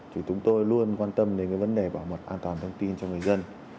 thì chúng tôi luôn quan tâm đến cái vấn đề bảo mật an toàn thông tin cho người dân